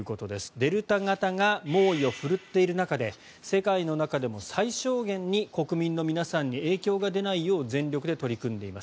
デルタ型が猛威を振るっている中で世界の中でも最小限に国民の皆さんに影響が出ないよう全力で取り組んでいます。